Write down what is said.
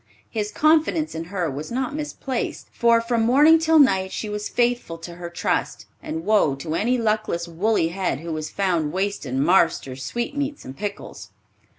His confidence in her was not misplaced, for from morning till night she was faithful to her trust, and woe to any luckless woolly head who was found wasting "marster's" sweetmeats and pickles.